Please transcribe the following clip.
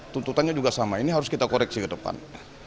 tuntutannya juga sama ini harus kita koreksi ke depan